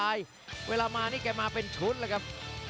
หัวจิตหัวใจแก่เกินร้อยครับ